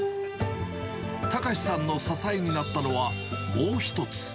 隆さんの支えになったのは、もう一つ。